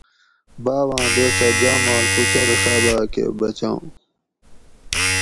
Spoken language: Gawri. باٞواٞں دوسہ جاماݪ کوچر ݭابا کٞہ بچاں